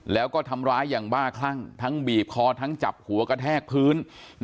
แล้วก็ทำร้ายอย่างบ้าคลั่งทั้งบีบคอทั้งจับหัวกระแทกพื้น